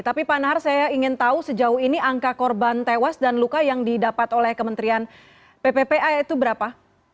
tapi pak nahar saya ingin tahu sejauh ini angka korban tewas dan luka yang didapat oleh kementerian pppa itu berapa